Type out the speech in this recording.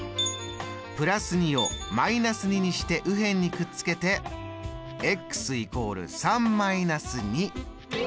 ＋２を−２にして右辺にくっつけて＝３−２。